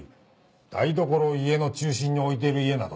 台所を家の中心に置いている家などどこにも。